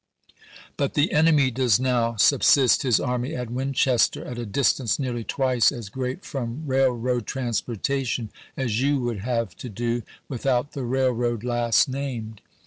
But the enemy does now subsist his army at Winchester, at a distance nearly twice as great from railroad transportation as you would have to do, without the railroad last named.